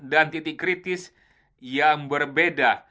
dan titik kritis yang berbeda